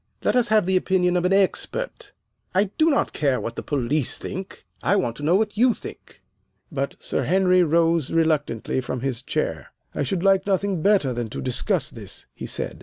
"Let us have the opinion of an expert. I do not care what the police think, I want to know what you think." But Sir Henry rose reluctantly from his chair. "I should like nothing better than to discuss this," he said.